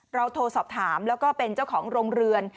โทรสอบถามแล้วก็เป็นเจ้าของโรงเรือน